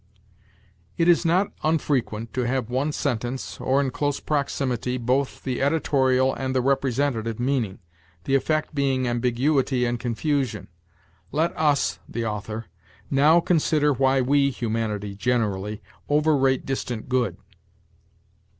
"It is not unfrequent to have in one sentence, or in close proximity, both the editorial and the representative meaning, the effect being ambiguity and confusion. 'Let us [the author] now consider why we [humanity generally] overrate distant good.'